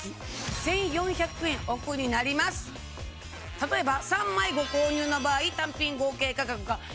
例えば。